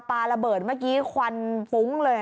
ปลาระเบิดเมื่อกี้ควันฟุ้งเลย